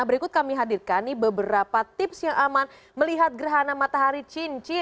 berikut kami hadirkan beberapa tips yang aman melihat gerhana matahari cincin